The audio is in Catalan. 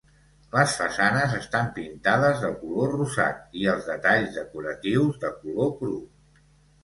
Les façanes estan pintades de color rosat, i els detalls decoratius de color cru.